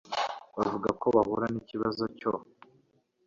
bavuze ko bahura n'ikibazo cyo